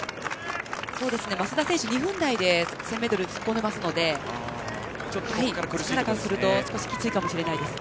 増田選手、２分台で１０００ｍ、突っ込んでいるので少しきついかもしれないですね。